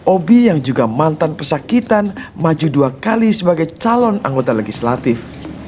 obie yang juga mantan pesakitan maju dua kali sebagai calon anggota legislatif